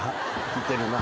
似てるな。